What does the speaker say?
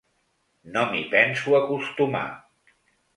No m’hi penso acostumar.